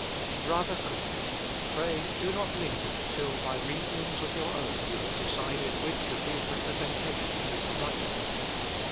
Brother Christian, pray, do not linger till by reasonings of your own you have decided which of these representations is the right one.